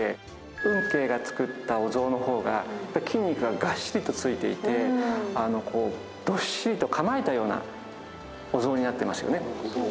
運慶が作ったお像の方が筋肉ががっしりとついていてどっしりと構えたようなお像になっていますよね。